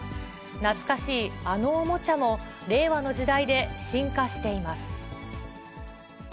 懐かしいあのおもちゃも、令和の時代で進化しています。